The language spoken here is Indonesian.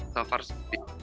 so far seperti itu